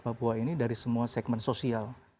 papua ini dari semua segmen sosial